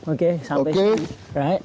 oke sampai sini